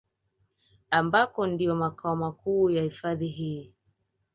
Ambako ndiyo makao makuu ya hifadhi hii